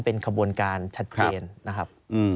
เป็นขบวนการชัดเจนนะครับ